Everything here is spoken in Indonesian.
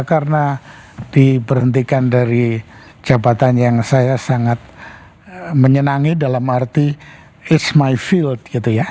karena diberhentikan dari jabatan yang saya sangat menyenangi dalam arti it s my field gitu ya